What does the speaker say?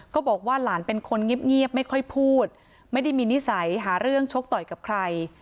ก็บอกว่าหลานเป็นคนเงียบไม่ค่อยพูดไม่ได้มีนิสัยหาเรื่องชกต่อยกับใคร